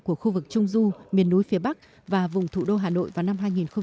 của khu vực trung du miền núi phía bắc và vùng thủ đô hà nội vào năm hai nghìn hai mươi